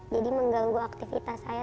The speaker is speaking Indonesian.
jadi mengganggu aktivitas saya